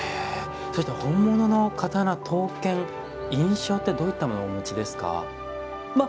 本物の刀、刀剣の印象ってどういったものをお持ちですか。